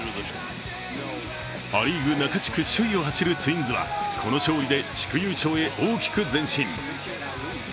ア・リーグ中地区首位を走るツインズはこの勝利で地区優勝へ大きく前進。